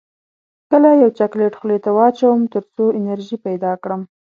کله یو چاکلیټ خولې ته واچوم تر څو انرژي پیدا کړم